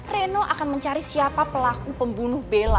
reno akan mencari siapa pelaku pembunuh bela